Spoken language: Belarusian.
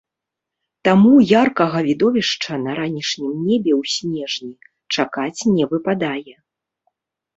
Таму яркага відовішча на ранішнім небе ў снежні чакаць не выпадае.